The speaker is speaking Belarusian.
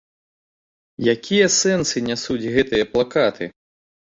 Якія сэнсы нясуць гэтыя плакаты?